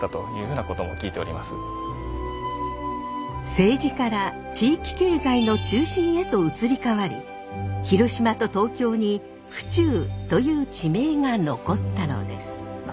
政治から地域経済の中心へと移り変わり広島と東京に府中という地名が残ったのです。